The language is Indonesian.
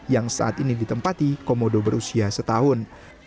yang saat ini ditempati komodo berusia setahun